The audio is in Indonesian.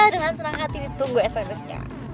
dengan senang hati ditunggu sms nya